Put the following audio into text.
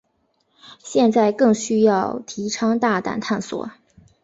现在更需要提倡大胆探索。